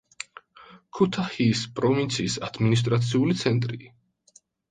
ქუთაჰიის პროვინციის ადმინისტრაციული ცენტრი.